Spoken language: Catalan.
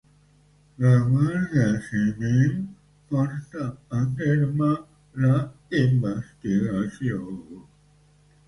La Guàrdia Civil porta a terme la investigació